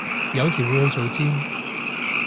有時會去做尖